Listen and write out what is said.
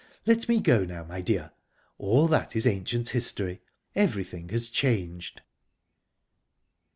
Let me go now, my dear. All that is ancient history; everything has changed."